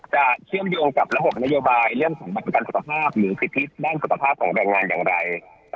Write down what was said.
เชื่อมโยงกับระบบนโยบายเรื่องของบัตรประกันสุขภาพหรือสิทธิด้านสุขภาพของแรงงานอย่างไร